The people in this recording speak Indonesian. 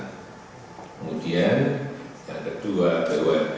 kemudian yang kedua bumn